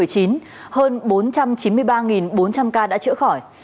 hơn bốn trăm chín mươi ba bốn trăm linh ca đã chữa khỏi